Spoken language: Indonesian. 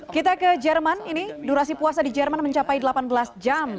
kita ke jerman ini durasi puasa di jerman mencapai delapan belas jam